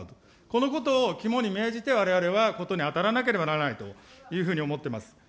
このことを肝に銘じて、われわれは事に当たらなければならないというふうに思ってます。